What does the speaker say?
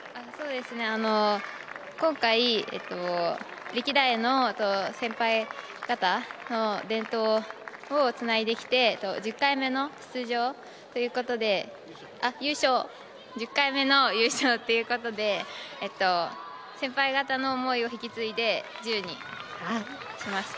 そうですね、今回歴代の先輩方伝統をつないできて１０回目の出場ということで１０回目の優勝ということで先輩方の思いを引き継いで１０にしました。